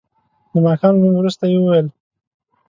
د ماښام لمونځ وروسته یې وویل.